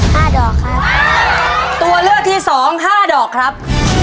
ดอกครับตัวเลือกที่สองห้าดอกครับ